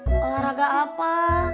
olah raga apa